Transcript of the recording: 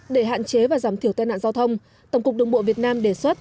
để hạn chế và giảm thiểu tai nạn giao thông tổng cục đường bộ việt nam đề xuất